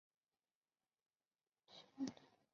苏氏私塾的历史年代为清代。